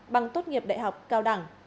bằng tốt nghiệp đại học cao đẳng